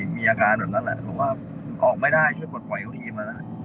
นั่นคือโดนคุณ